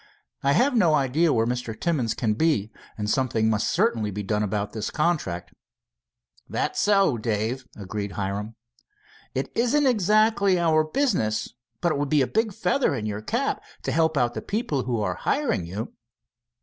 I have no idea where Mr. Timmins can be, and something must certainly be done about this contract." "That's so, Dave," agreed Hiram. "It isn't exactly our business, but it would be a big feather in your cap to help out the people who are hiring you."